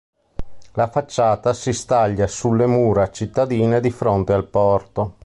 La facciata si staglia sulle mura cittadine di fronte al porto.